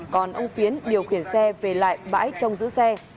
còn ông phiến điều khiển xe về lại bãi trông giữ xe